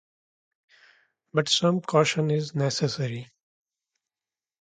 But some caution is necessary.